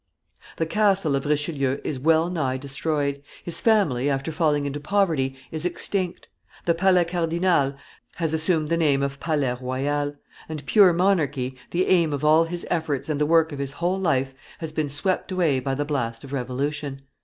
The castle of Richelieu is well nigh destroyed; his family, after falling into poverty, is extinct; the Palais Cardinal has assumed the name of Palais Royal; and pure monarchy, the aim of all his efforts and the work of his whole life, has been swept away by the blast of revolution.